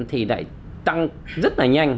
thì lại tăng rất là nhanh